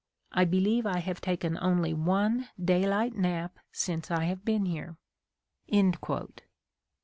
I believe I have taken only one daylight nap since I have been here."